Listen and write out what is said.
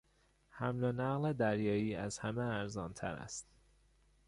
حمل و نقل دریایی از همه ارزان تر است.